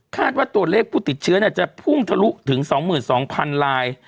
ว่าตัวเลขผู้ติดเชื้อจะพุ่งทะลุถึง๒๒๐๐๐ลาย